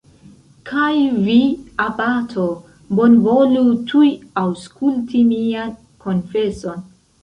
Kaj vi, abato, bonvolu tuj aŭskulti mian konfeson!